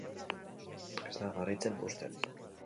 Ez da garaitzen uzten.